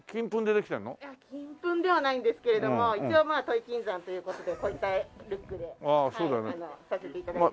いや金粉ではないんですけれども一応土肥金山という事でこういったルックでさせて頂いています。